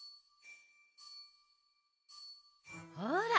ほら。